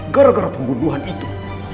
gara gara pembunuhan itu